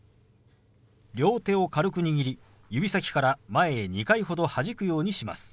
両手を軽く握り指先から前へ２回ほどはじくようにします。